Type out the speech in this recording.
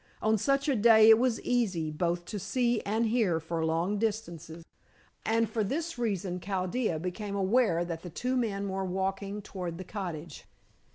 On such a day it was easy both to see and hear for long distances, and for this reason Chaldea became aware that the two men were walking toward the cottage.